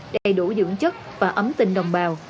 đầy đủ dưỡng chất và ấm tình đồng bào